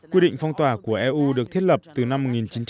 quy định phong tỏa của eu được thiết lập từ năm một nghìn chín trăm chín mươi